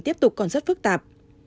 tiếp tục còn rất phức tạp